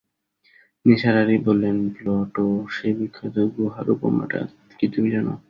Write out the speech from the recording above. নিসার আলি বললেন, প্লটোর সেই বিখ্যাত গুহার উপমাটা কি তুমি জান?